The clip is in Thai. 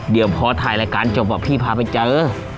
เดี๋ยวพอถ่ายรายการจบบอกพี่พาไปเจอ